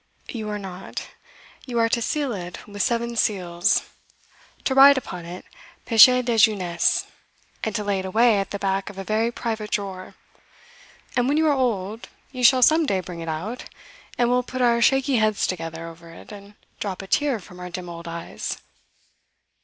'You are not. You are to seal it with seven seals, to write upon it peche de jeunesse, and to lay it away at the back of a very private drawer. And when you are old, you shall some day bring it out, and we'll put our shaky heads together over it, and drop a tear from our dim old eyes.